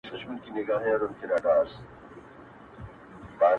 • له هغو اوسنیو شعرونو سره -